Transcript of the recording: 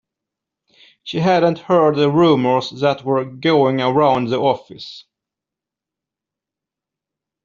She hadn’t heard the rumours that were going around the office.